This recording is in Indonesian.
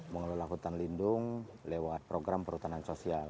mengelola hutan lindung lewat program perhutanan sosial